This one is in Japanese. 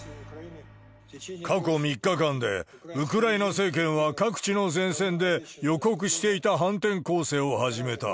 過去３日間で、ウクライナ政権は各地の前線で予告していた反転攻勢を始めた。